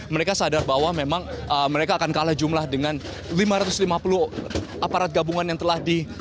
mereka sadar bahwa memang mereka akan kalah jumlah dengan lima ratus lima puluh aparat gabungan yang telah di